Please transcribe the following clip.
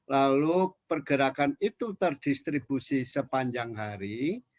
lalu pergerakan itu terdistribusi sepanjang hari